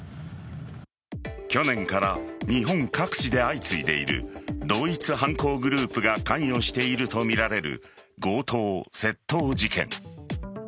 去年から日本各地で相次いでいる同一犯行グループが関与しているとみられる強盗窃盗事件。